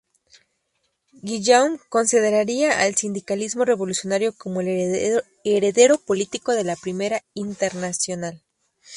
Guillaume consideraría al sindicalismo revolucionario como el heredero político de la Primera Internacional.